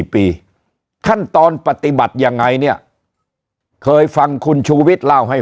ปีขั้นตอนปฏิบัติยังไงเนี่ยเคยฟังคุณชูวิทย์เล่าให้